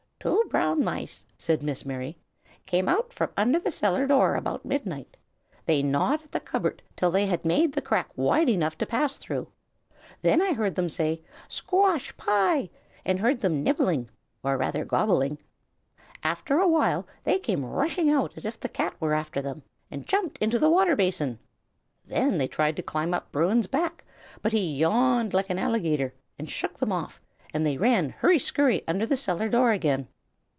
"Two brown mice," said Miss Mary, "came out from under the cellar door about midnight. They gnawed at the cupboard till they had made the crack wide enough to pass through. Then I heard them say, 'Squash pie!' and heard them nibbling, or rather gobbling. After a while they came rushing out as if the cat were after them, and jumped into the water basin. Then they tried to climb up Bruin's back, but he yawned like an alligator, and shook them off, and they ran hurry scurry under the cellar door again."